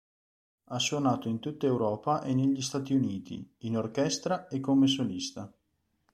Ha suonato in tutta Europa e negli Stati Uniti, in orchestra e come solista.